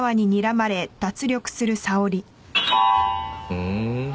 ふん。